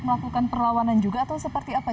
melakukan perlawanan juga atau seperti apa